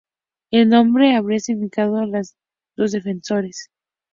El nombre habría significado los "defensores".